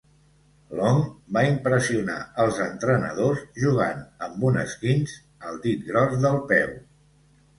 Long va impressionar els entrenadors jugant amb un esquinç al dit gros del peu.